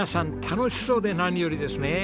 楽しそうで何よりですね。